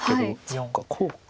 そっかこうか。